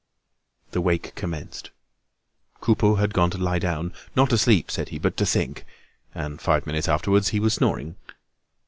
The wake commenced. Coupeau had gone to lie down, not to sleep, said he, but to think; and five minutes afterwards he was snoring.